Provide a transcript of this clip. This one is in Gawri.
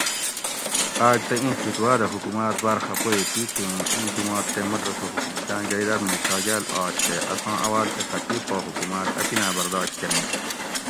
آۤک تہ اِیں فِتواۤ دہ حُکوماۤت باۤر خفہ ہی تیتھی اُوں اِیں جُمات تے مدرسہ حکومِت آں جایٔداد مئ چاگاۤل آش تے اساں اوال تھی خطیب پا حُکوماۤت اپِنا برداشت کرینش